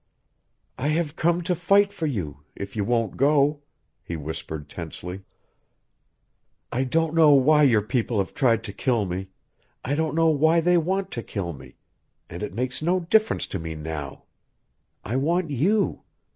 "I have come to fight for you if you won't go," he whispered tensely. "I don't know why your people have tried to kill me, I don't know why they want to kill me, and it makes no difference to me now. I want you.